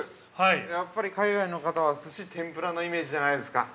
やっぱり海外の方は、すし、天ぷらのイメージじゃないですか。